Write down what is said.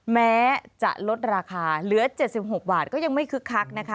แม้จะลดราคาเหลือ๗๖บาทก็ยังไม่คึกคักนะคะ